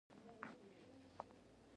کوچني برګ سخوندر زورونه وهل.